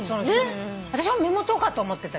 私も目元かと思ってた。